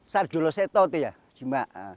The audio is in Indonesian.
sardul seto itu ya sima